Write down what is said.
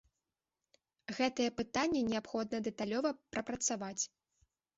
Гэтае пытанне неабходна дэталёва прапрацаваць.